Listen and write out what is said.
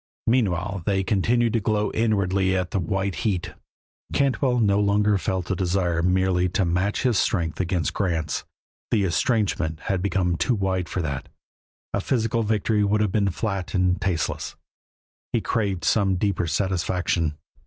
Meanwhile they continued to glow inwardly at a white heat. Cantwell no longer felt the desire merely to match his strength against Grant's; the estrangement had become too wide for that; a physical victory would have been flat and tasteless; he craved some deeper satisfaction.